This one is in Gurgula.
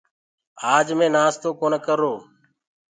آج مينٚ نآستو ڪونآ ڪرو۔